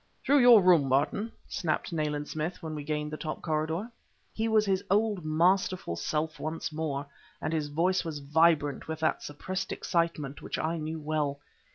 "Through your room, Barton!" snapped Nayland Smith, when we gained the top corridor. He was his old, masterful self once more, and his voice was vibrant with that suppressed excitement which I knew well.